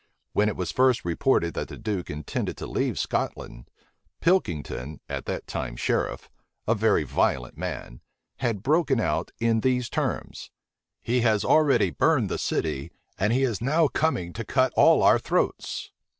When it was first reported that the duke intended to leave Scotland, Pilkington, at that time sheriff, a very violent man, had broken out in these terms: "He has already burned the city; and he is now coming to cut all our throats!"